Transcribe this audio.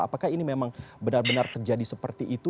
apakah ini memang benar benar terjadi seperti itu